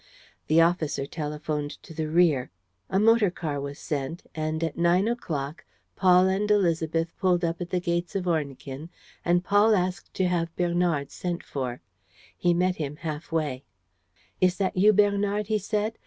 The officer telephoned to the rear. A motor car was sent; and, at nine o'clock, Paul and Élisabeth pulled up at the gates of Ornequin and Paul asked to have Bernard sent for. He met him half way: "Is that you, Bernard?" he said.